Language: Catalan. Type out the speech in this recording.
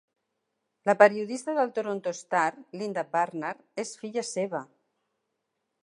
La periodista del "Toronto Star" Linda Barnard és filla seva.